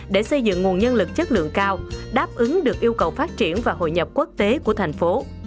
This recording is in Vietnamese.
để xây dựng nguồn nhân lực chất lượng cao đáp ứng được yêu cầu phát triển và hội nhập quốc tế của thành phố